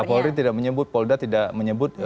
kapolri tidak menyebut polda tidak menyebut